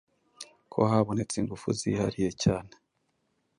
kuko habonetse ingufu zihariye cyane,